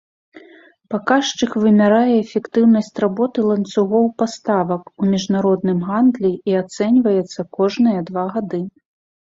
Паказчык вымярае эфектыўнасць работы ланцугоў паставак у міжнародным гандлі і ацэньваецца кожныя два гады.